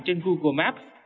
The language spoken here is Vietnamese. trên google maps